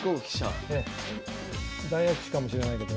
大悪手かもしれないけど。